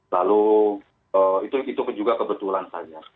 lalu itu juga kebetulan saja